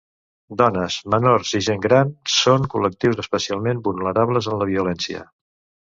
Dones, menors i gent gran són col·lectius especialment vulnerables en la violència.